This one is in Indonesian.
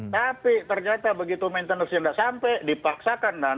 tapi ternyata begitu maintenance nya tidak sampai dipaksakan